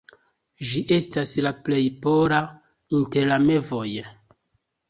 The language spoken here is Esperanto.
Ĝi estas la plej pola inter la mevoj.